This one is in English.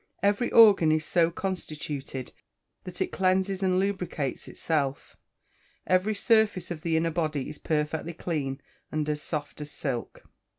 Every organ is so constituted that it cleanses and lubricates itself. Every surface of the inner body is perfectly clean, and as soft as silk.